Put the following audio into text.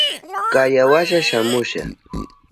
Kaya washa shamusha.